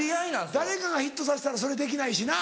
誰かがヒットさせたらそれできないしな。